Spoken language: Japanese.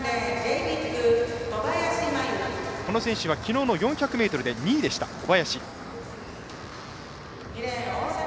この選手はきのうの４００ｍで２位でした、小林。